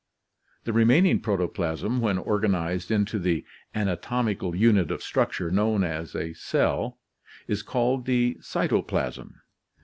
The remaining protoplasm, when organized into the anatomical unit of structure known as a cell (see Fig. 1), is called the cytoplasm.